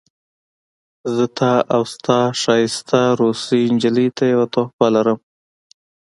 زه تا او ستا ښایسته روسۍ نجلۍ ته یوه تحفه لرم